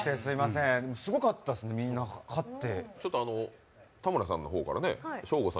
すごかったですね、みんな勝って。